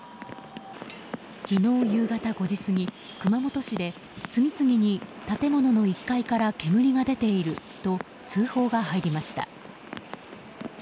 昨日夕方５時過ぎ、熊本市で次々に建物の１階から煙が出ていると通報が入りました。